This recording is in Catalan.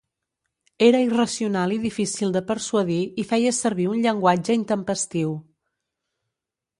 Era irracional i difícil de persuadir i feia servir un llenguatge intempestiu.